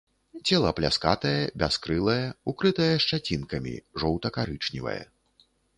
Цела пляскатае, бяскрылае, укрытае шчацінкамі, жоўта-карычневае.